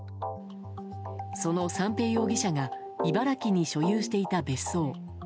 その三瓶容疑者が茨城に所有していた別荘。